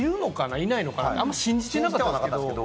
いないのかな？ってあんまり信じてなかったんです。